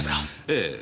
ええ。